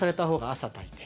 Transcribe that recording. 朝炊いて。